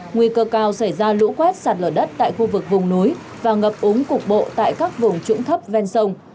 nguy cơ cao xảy ra lũ quét sạt lở đất tại khu vực vùng núi và ngập úng cục bộ tại các vùng trũng thấp ven sông